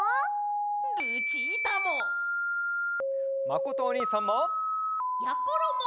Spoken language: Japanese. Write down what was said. まことおにいさんも！やころも！